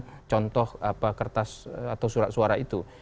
dengan contoh kertas atau surat suara itu